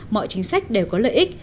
mọi chính sách đều có lợi ích